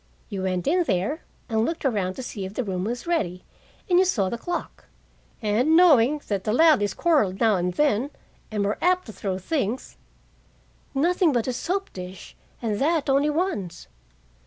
You went in there and looked around to see if the room was ready, and you saw the clock. And knowing that the Ladleys quarreled now and then, and were apt to throw things " "Nothing but a soap dish, and that only once."